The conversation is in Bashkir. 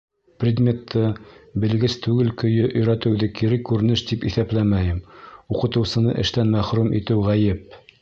— Предметты белгес түгел көйө өйрәтеүҙе кире күренеш тип иҫәпләмәйем: уҡытыусыны эштән мәхрүм итеү ғәйеп.